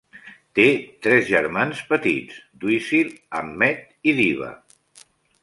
Té tres germans petits: Dweezil, Ahmet i Diva.